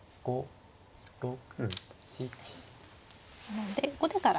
なので後手から。